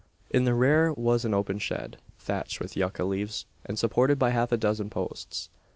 In the rear was an open shed, thatched with yucca leaves, and supported by half a dozen posts.